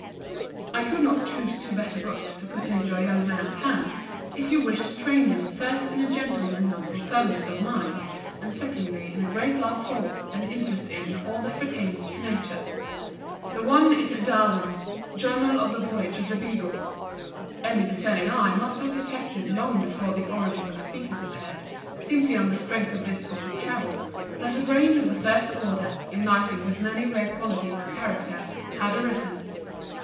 I could not choose two better books to put into a young man's hands if you wished to train him first in a gentle and noble firmness of mind, and secondly in a great love for and interest in all that pertains to Nature. The one is Darwin's "Journal of the Voyage of the Beagle." Any discerning eye must have detected long before the "Origin of Species" appeared, simply on the strength of this book of travel, that a brain of the first order, united with many rare qualities of character, had arisen.